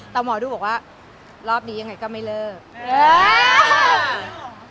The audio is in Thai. แต่หมอดูบอกว่ารอบนี้ยังไงก็ไม่เลิก